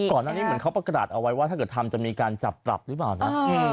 ก่อนนี้เขาก็ประกราศเอาไว้ว่าถ้าเกิดทำจะมีการจับตรับหรือเปล่านะ